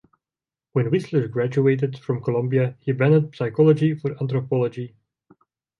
When Wissler graduated from Columbia he abandoned psychology for anthropology.